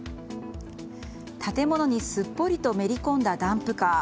建物にすっぽりとめり込んだダンプカー。